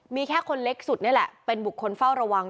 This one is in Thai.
มีแค่คนเล็กสุดนี่แหละเป็นบุคคลเฝ้าระวัง